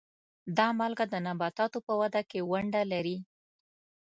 دا مالګه د نباتاتو په وده کې ونډه لري.